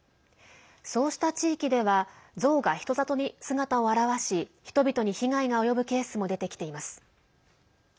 そうした地域ではゾウが人里に姿を現し人々に被害が及ぶケースも出てきています。